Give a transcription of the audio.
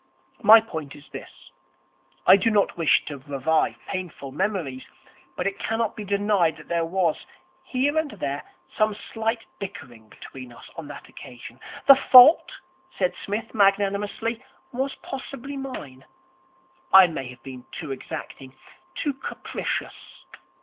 My point is this. I do not wish to revive painful memories, but it cannot be denied that there was, here and there, some slight bickering between us on that occasion. The fault,' said Psmith magnanimously, 'was possibly mine. I may have been too exacting, too capricious.